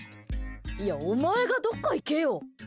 いや、お前がどっか行けよ！